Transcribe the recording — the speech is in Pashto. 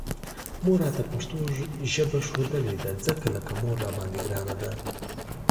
مور راته پښتو ژبه ښودلې ده، ځکه لکه مور راباندې ګرانه ده